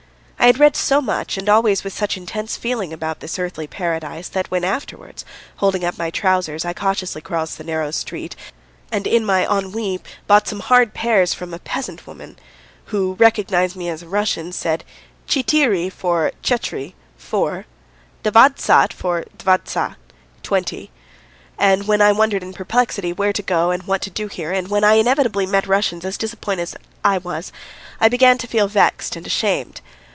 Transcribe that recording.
I had read so much and always with such intense feeling about this earthly paradise that when afterwards, holding up my trousers, I cautiously crossed the narrow street, and in my ennui bought some hard pears from an old peasant woman who, recognising me as a Russian, said: "Tcheeteery" for "tchetyry" (four) "davadtsat" for "dvadtsat" (twenty), and when I wondered in perplexity where to go and what to do here, and when I inevitably met Russians as disappointed as I was, I began to feel vexed and ashamed.